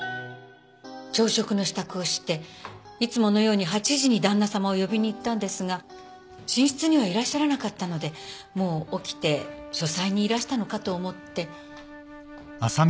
朝食の仕度をしていつものように８時にだんなさまを呼びに行ったんですが寝室にはいらっしゃらなかったのでもう起きて書斎にいらしたのかと思って。